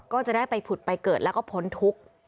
ก็จะได้ไปผุดไปเกิดแล้วก็พ้นทุกข์